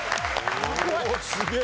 すげえ。